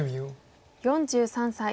４３歳。